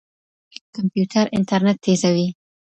کمپيوټر انټرنيټ تېزوي.